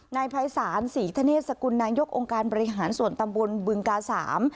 นายภัยศาลศรีธเนศสกุลนายกองค์การบริหารส่วนตำบลบึงกาสาม